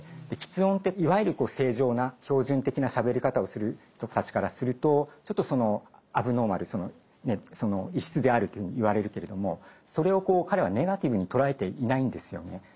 で吃音っていわゆる正常な標準的なしゃべり方をする人たちからするとちょっとそのアブノーマル異質であるというふうにいわれるけれどもそれをこう彼はネガティブに捉えていないんですよね。